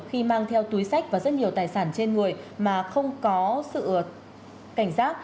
khi mang theo túi sách và rất nhiều tài sản trên người mà không có sự cảnh giác